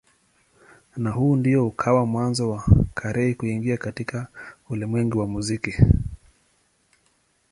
Na huu ndio ukawa mwanzo wa Carey kuingia katika ulimwengu wa muziki.